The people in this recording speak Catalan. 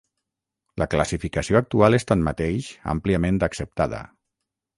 La classificació actual és tanmateix àmpliament acceptada.